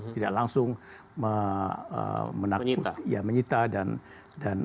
tidak langsung menakut ya menyita dan